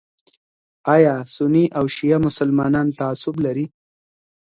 ایا سني او شیعه مسلمانان تعصب لري؟